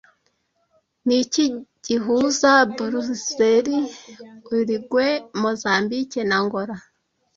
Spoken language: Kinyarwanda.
Ni iki gihuza Burezili, Uruguay, Mozambike na Angola